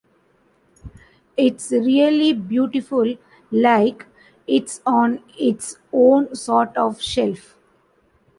It's really beautiful, like it's on its own sort of shelf.